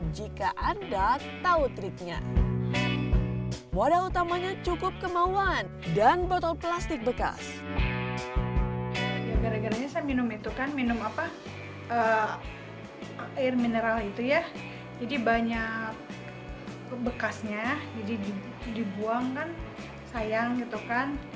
jadi banyak bekasnya jadi dibuang kan sayang gitu kan